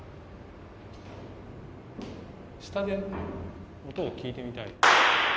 下で音を聴いてみたい。